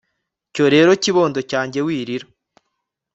cyo rero kibondo cyange wirira